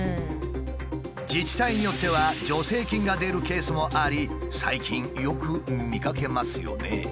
自治体によっては助成金が出るケースもあり最近よく見かけますよね。